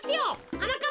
はなかっ